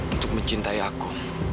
untuk mencintai aku